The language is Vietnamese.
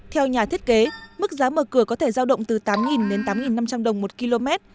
theo nhà thiết kế mức giá mở cửa có thể giao động từ tám đến tám năm trăm linh đồng một km